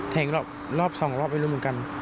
แทงจนรอบ๒รอบไม่รู้เหมือนกัน